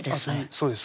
そうです